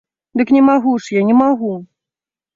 Дык не магу ж я, не магу!